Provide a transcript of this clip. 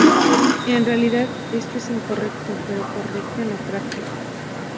En realidad, esto es incorrecto, pero correcto en la práctica.